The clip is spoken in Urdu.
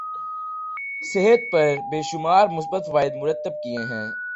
صحت پر بے شمار مثبت فوائد مرتب کیے ہیں